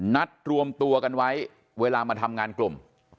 นัดรวมตัวกันไว้เวลามาทำงานกลุ่ม